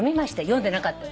読んでなかった。